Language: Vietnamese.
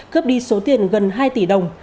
cướp đi số tiền gần hai tỷ đồng